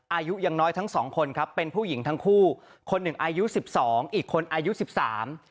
อายุยังน้อยทั้งสองคนครับเป็นผู้หญิงทั้งคู่คนหนึ่งอายุสิบสองอีกคนอายุสิบสาม